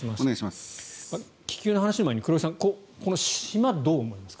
気球の話の前に黒井さんこの島、どう思いますか？